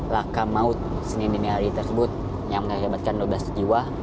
laka maut senin dan hari tersebut yang menyebabkan dua belas sejiwa